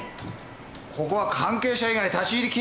ここは関係者以外立ち入り禁止だよ。